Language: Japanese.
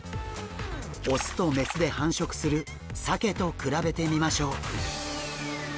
雄と雌で繁殖するサケと比べてみましょう。